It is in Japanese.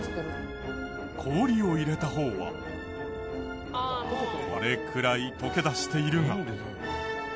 氷を入れた方はこれくらい溶け出しているが。